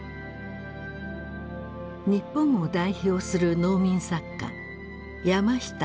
日本を代表する農民作家山下惣一さん。